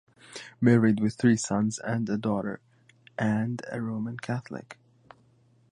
Married, with three sons and a daughter, and a Roman Catholic.